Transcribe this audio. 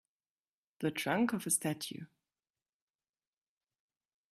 The trunk of a statue